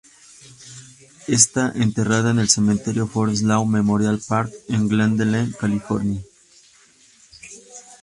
Está enterrada en el Cementerio Forest Lawn Memorial Park en Glendale, California.